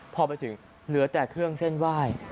พอไปถึงเหลือแต่เครื่องเส้นไหว้